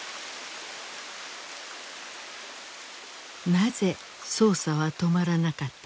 なぜ捜査は止まらなかったのか。